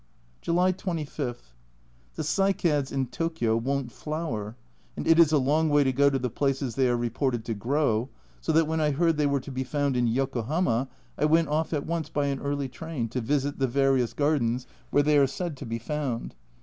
July 25. The cycads in Tokio won't flower, and it is a long way to go to the places they are reported to grow, so that when I heard they were to be found in Yokohama, I went off at once by an early train to visit the various gardens where they are said to be found.